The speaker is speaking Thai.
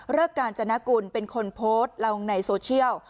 กาญจนกุลเป็นคนโพสต์ลงในโซเชียล